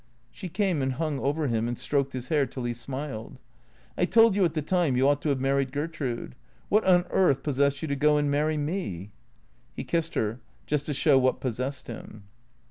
She came and hung over him and stroked his hair till he smiled. " I told you at the time you ought to have married Gertrude. What on earth possessed you to go and marry me ?" He kissed her, just to show what possessed him.